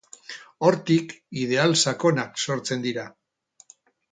Hortik, ideal sakonak sortzen dira.